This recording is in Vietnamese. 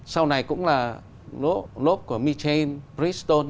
sau này cũng là lốp của mechain bridgestone